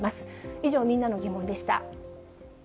以上、みんなのギモンでした。